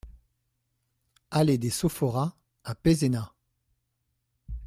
Allée des Sophoras à Pézenas